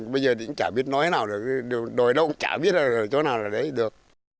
bây giờ thì cũng chả biết nói nào được đòi đâu cũng chả biết là chỗ nào là đấy được